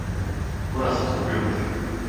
Burası kokuyor.